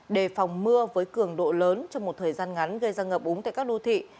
đề phòng mưa với cường độ lớn trong một thời gian ngắn gây ra ngập úng tại các đô thị